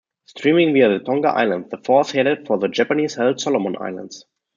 Steaming via the Tonga Islands, the force headed for the Japanese-held Solomon Islands.